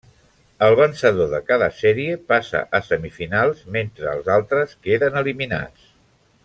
El vencedor de cada sèrie passa a semifinals, mentre els altres queden eliminats.